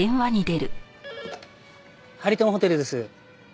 ハリトンホテルです。